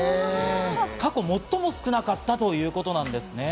過去最も少なかったということです。